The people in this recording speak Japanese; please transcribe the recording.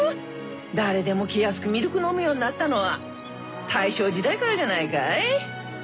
誰でも気安くミルク飲むようになったのは大正時代からじゃないかい。